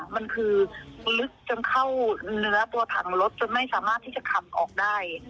มันคือลึกจนเข้าเนื้อตัวถังรถจนไม่สามารถที่จะขับออกได้